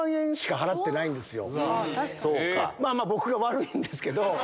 まぁ僕が悪いんですけど。